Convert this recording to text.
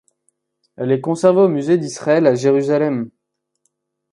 Elle est conservée au musée d'Israël à Jérusalem.